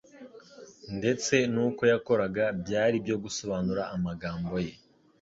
ndetse n'uko yakoraga byari ibyo gusobanura amagambo ye.